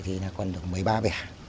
thì là còn được một mươi ba bè